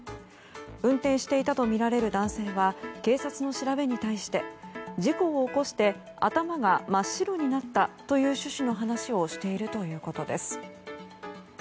運転していたとみられる男性は警察の調べに対して事故を起こして頭が真っ白になったという趣旨の話をしているということです。